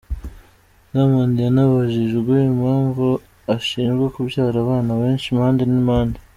Diamond yanabajijwe impamvu ashinjwa kubyara abana benshi impande n’impande.